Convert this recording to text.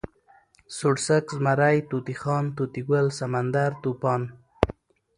سوړسک، زمری، طوطی خان، طوطي ګل، سمندر، طوفان